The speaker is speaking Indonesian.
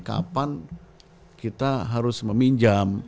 kapan kita harus meminjam